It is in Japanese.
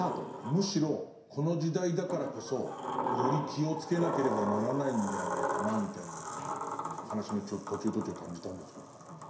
むしろこの時代だからこそより気をつけなければならないんじゃないかなみたいなものを話の途中途中感じたんですけど。